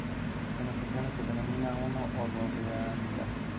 La escuela fue originalmente un orfanato.